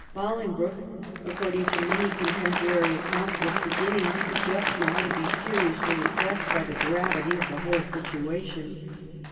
Bohngbroke, according to many contemporary accounts, was beginning just now to be seriously impressed by the gravity of the whole situation.